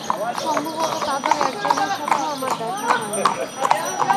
সম্ভবত তাদের একজনের সাথেও আমার দেখা হয়নি।